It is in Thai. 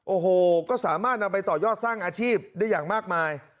โอ้โหก็สามารถนำไปต่อยอดสร้างอาชีพได้อย่างมากมาย